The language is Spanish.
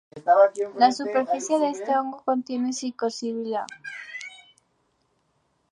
La superficie de este hongo contiene psilocibina.